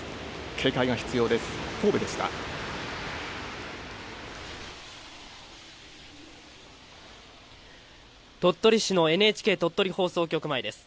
警戒が必要です。